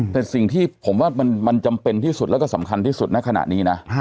แต่สิ่งที่ผมว่ามันจำเป็นที่สุดแล้วก็สำคัญที่สุดในขณะนี้นะ